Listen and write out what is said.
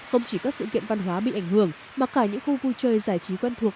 không chỉ các sự kiện văn hóa bị ảnh hưởng mà cả những khu vui chơi giải trí quen thuộc